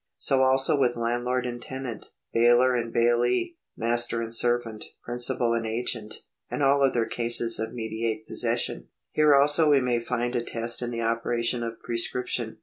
So also with landlord and tenant, bailor and bailee, master and servant, principal and agent, and all other cases of mediate possession. Here also we may find a test in the operation of prescription.